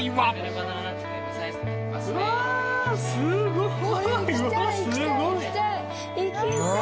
うわすごい。